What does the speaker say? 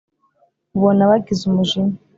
ubona wagize umujinya